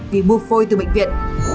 vì bù phôi từ bệnh viện